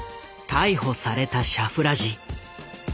逮捕されたシャフラジ。